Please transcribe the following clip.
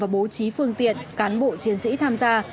bố trí phương tiện cán bộ chiến sĩ tham gia